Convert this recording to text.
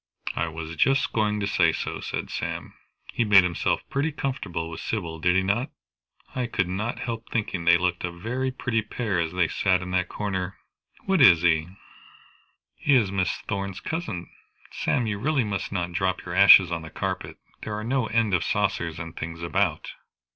"I was just going to say so," said Sam. "He made himself pretty comfortable with Sybil, did he not? I could not help thinking they looked a very pretty pair as they sat in that corner. What is he?" "He is Miss Thorn's cousin. Sam, you really must not drop your ashes on the carpet. There are no end of saucers and things about."